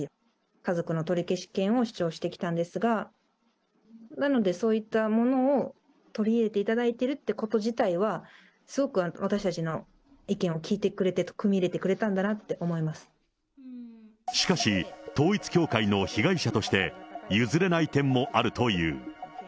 家族の取消権を主張してきたんですが、なので、そういったものを取り入れていただいているってこと自体は、すごく私たちの意見を聞いてくれて、組み入れてくれたんだなと思いましかし、統一教会の被害者として、譲れない点もあるという。